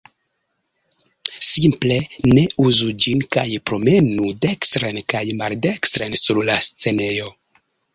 Simple, ne uzu ĝin kaj promenu dekstren kaj maldekstren sur la scenejo